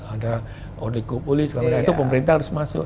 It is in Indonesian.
ada oligopolis itu pemerintah harus masuk